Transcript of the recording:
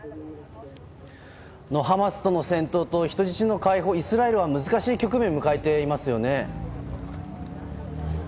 ハマスとの戦闘と人質の解放でイスラエルは難しい局面を迎えていますよね。